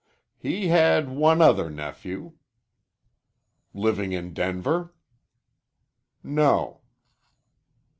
"He had one other nephew." "Living in Denver?" "No."